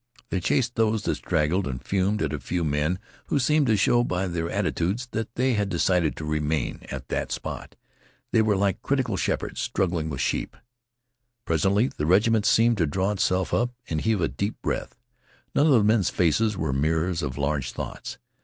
They chased those that straggled and fumed at a few men who seemed to show by their attitudes that they had decided to remain at that spot. They were like critical shepherds struggling with sheep. Presently, the regiment seemed to draw itself up and heave a deep breath. None of the men's faces were mirrors of large thoughts.